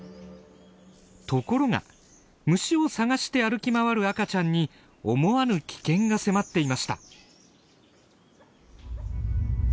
ところが虫を探して歩き回る赤ちゃんに思わぬ危険が迫っていました。